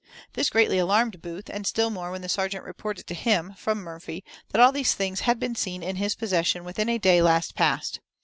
This greatly alarmed Booth, and still more when the serjeant reported to him, from Murphy, that all these things had been seen in his possession within a day last past.